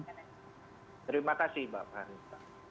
terima kasih mbak ari